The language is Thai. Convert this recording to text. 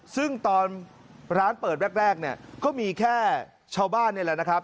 ซึ่งตอนร้านเปิดแรกเนี่ยก็มีแค่ชาวบ้านนี่แหละนะครับ